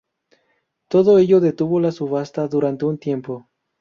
Todo ello detuvo la subasta durante un tiempo.